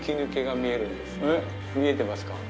見えてますか？